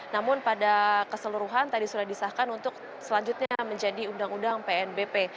namun pada keseluruhan tadi sudah disahkan untuk selanjutnya menjadi undang undang pnbp